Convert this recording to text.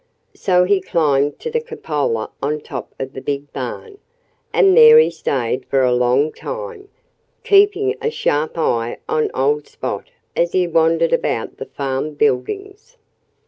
So he climbed to the cupola on top of the big barn. And there he stayed for a long time, keeping a sharp eye on old Spot as he wandered about the farm buildings.